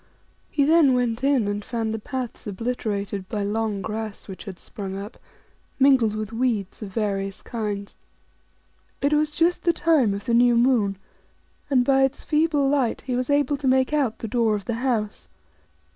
' He then went in, and found the paths obliterated by long grass, which had sprung up, mingled with weeds of various kinds. It was just the time of the new moon, and by its feeble light he was able to make out the door of the house.